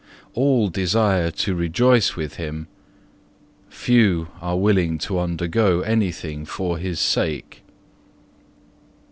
All desire to rejoice with Him, few are willing to undergo anything for His sake.